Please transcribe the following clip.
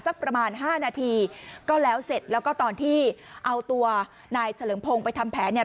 ประมาณห้านาทีก็แล้วเสร็จแล้วก็ตอนที่เอาตัวนายเฉลิมพงศ์ไปทำแผนเนี่ย